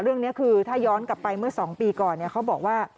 เรื่องนี้คือถ้าย้อนกลับไปเมื่อ๒ปีก่อนเขาบอกว่า